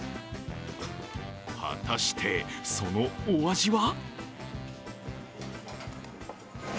果たして、そのお味は？